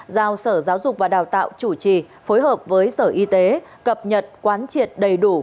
giao sở giáo dục và đào tạo chủ trì phối hợp với sở y tế cập nhật quán triệt đầy đủ